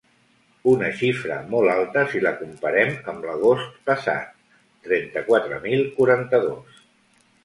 Una xifra molta alta si la comparem amb l’agost passat: trenta-quatre mil quaranta-dos.